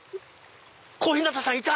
小日向さんいた！